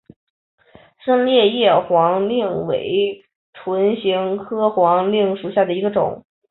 深裂叶黄芩为唇形科黄芩属下的一个种。